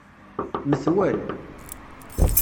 Metwal.